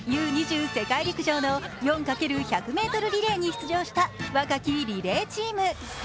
世界陸上の４×１００ｍリレーにに出場した若きリレーチーム。